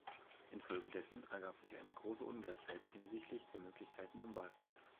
Infolgedessen ergab sich eine große Ungleichheit hinsichtlich der Möglichkeiten im Wahlkampf.